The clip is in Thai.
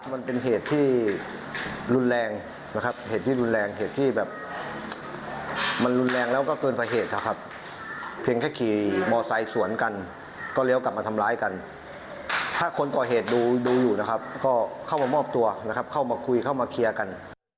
มันเป็นเหตุที่รุนแรงนะครับเหตุที่รุนแรงเหตุที่แบบมันรุนแรงแล้วก็เกินกว่าเหตุนะครับเพียงแค่ขี่มอไซค์สวนกันก็เลี้ยวกลับมาทำร้ายกันถ้าคนก่อเหตุดูอยู่นะครับก็เข้ามามอบตัวนะครับเข้ามาคุยเข้ามาเคลียร์กัน